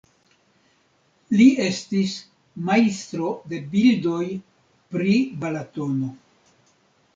Li estis majstro de bildoj pri Balatono.